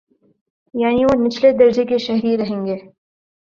یعنی وہ نچلے درجے کے شہری رہیں گے۔